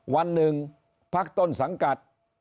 วันหนึ่งพักต้นสังกัด